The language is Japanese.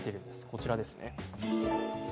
こちらです。